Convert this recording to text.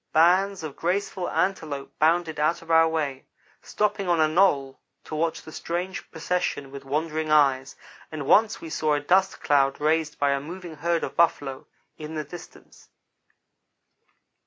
Bands of graceful antelope bounded out of our way, stopping on a knoll to watch the strange procession with wondering eyes, and once we saw a dust cloud raised by a moving herd of buffalo, in the distance.